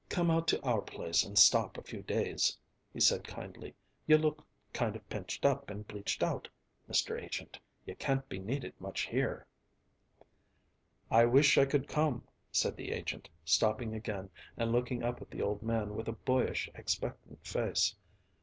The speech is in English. "Come out to our place and stop a few days," he said kindly. "You look kind of pinched up and bleached out, Mr. Agent; you can't be needed much here." "I wish I could come," said the agent, stopping again and looking up at the old man with a boyish, expectant face.